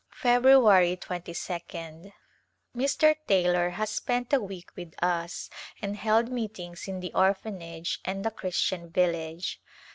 February 22d. Mr. Taylor has spent a week with us and held meetings in the Orphanage and the Christian village.